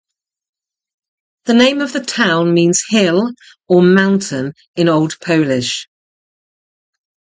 The name of the town means "hill" or "mountain" in Old Polish.